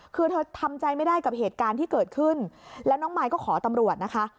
คือเธอทำใจไม่ได้กับเหตุการณ์ที่เกิดขึ้นแล้วน้องมายก็ขอตำรวจนะคะ